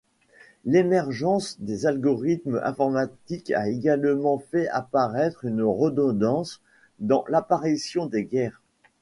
L'émergence des algorithmes informatiques a également fait apparaître une redondance dans l'apparition des guerres.